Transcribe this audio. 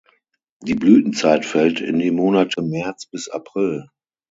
Die Blütezeit fällt in die Monate März bis April.